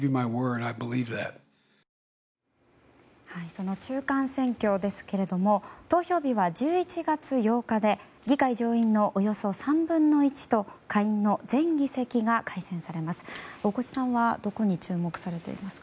その中間選挙ですが投票日は１１月８日で議会上院のおよそ３分の１と下院の全議席が改選されます。